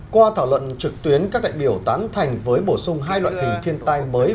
qua thảo luận trực tuyến các đại biểu tán thành với bổ sung hai loại hình thiên tai mới